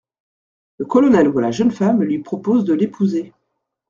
Le colonel voit la jeune femme et lui propose de l'épouser.